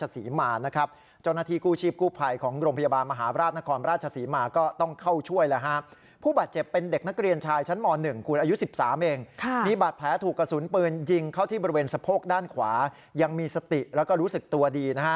สะโพกด้านขวายังมีสติแล้วก็รู้สึกตัวดีนะฮะ